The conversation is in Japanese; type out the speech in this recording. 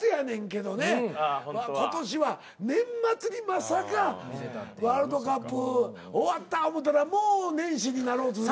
今年は年末にまさかワールドカップ終わった思たらもう年始になろうとする。